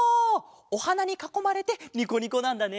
おはなにかこまれてニコニコなんだね。